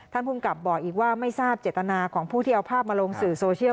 ภูมิกับบอกอีกว่าไม่ทราบเจตนาของผู้ที่เอาภาพมาลงสื่อโซเชียล